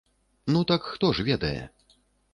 Ну, так хто ж ведае?